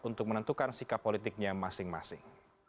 untuk menentukan sikap politiknya masing masing